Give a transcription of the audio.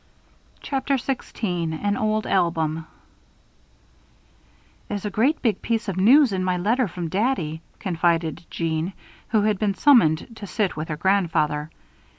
CHAPTER XVI AN OLD ALBUM "There's a great big piece of news in my letter from daddy," confided Jeanne, who had been summoned to sit with her grandfather.